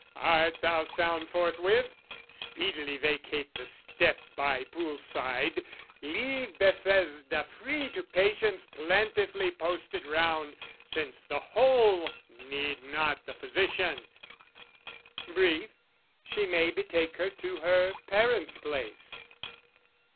Art thou sound forthwith? Speedily vacate The step by pool side, leave Bethesda free To patients plentifully posted round, Since the whole need not the physician! Brief, She may betake her to her parents' place.